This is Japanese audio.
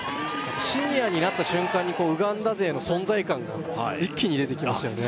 シニアになった瞬間にウガンダ勢の存在感が一気に出てきましたよね